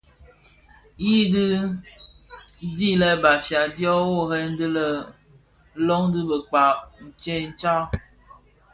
Di i di lè Bafia dyo worè bi löň dhi bëkpag tsentsa.